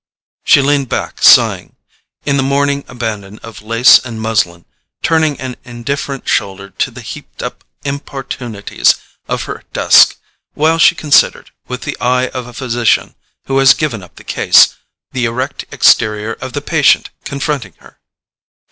She leaned back, sighing, in the morning abandon of lace and muslin, turning an indifferent shoulder to the heaped up importunities of her desk, while she considered, with the eye of a physician who has given up the case, the erect exterior of the patient confronting her.